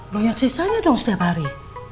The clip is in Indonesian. banyak sisanya dong setiap hari